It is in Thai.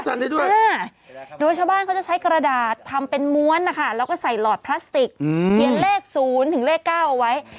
โดยชาวบ้านเขาจะใช้กระดาษทำเป็นม้วนนะคะแล้วก็ใส่หลอดพลาสติกเขียนเลข๐ถึงเลข๙เอาไว้